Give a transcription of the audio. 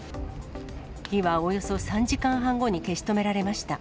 火はおよそ３時間半後に消し止められました。